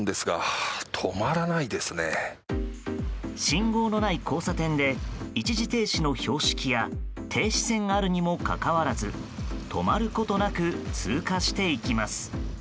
信号のない交差点で一時停止の標識や停止線があるにもかかわらず止まることなく通過していきます。